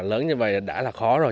lớn như vậy đã là khó rồi